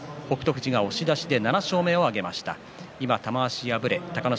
富士が押し出しで７勝目を挙げました。